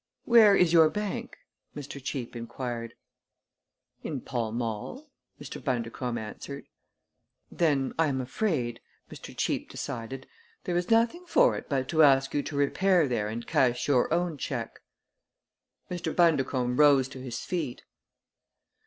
"Where is your bank?" Mr. Cheape inquired. "In Pall Mall," Mr. Bundercombe answered. "Then I am afraid," Mr. Cheape decided, "there is nothing for it but to ask you to repair there and cash your own check." Mr. Bundercombe rose to his feet.